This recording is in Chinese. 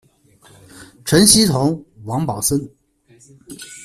陈希同、王宝森